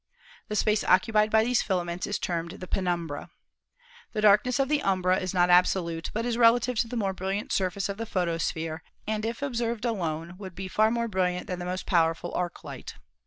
The space occupied by these fila ments is termed the penumbra. The darkness of the umbra is not absolute, but is relative to the more brilliant surface of the photosphere, and if observed alone would be far more brilliant than the most powerful arc light.